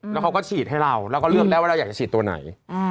แล้วเขาก็ฉีดให้เราเราก็เลือกได้ว่าเราอยากจะฉีดตัวไหน